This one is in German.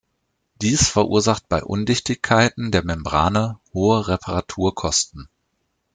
Dies verursacht bei Undichtigkeiten der Membrane hohe Reparaturkosten.